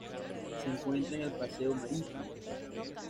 Se encuentra en el Paseo Marítimo.